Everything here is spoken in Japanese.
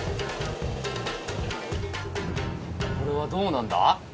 これはどうなんだ？